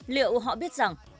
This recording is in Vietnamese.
liệu họ biết rằng